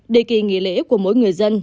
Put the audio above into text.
để kỳ nghỉ lễ của mỗi người dân